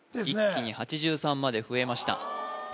一気に８３まで増えました